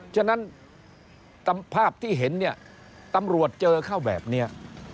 ฉะนั้นภาพที่เห็นเนี่ยตำรวจเจอเข้าแบบนี้